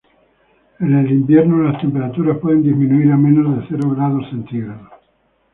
En el invierno, las temperaturas pueden disminuir a menos de cero grados centígrados.